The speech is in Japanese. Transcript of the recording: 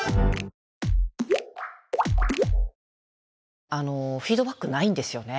フィードバックないんですよね。